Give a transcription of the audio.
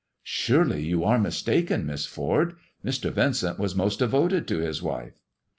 " Surely you are mistaken, Miss Ford. Mr, Vincent waa most devoted to his wife."